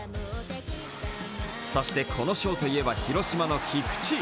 そして、この賞といえば広島の菊池。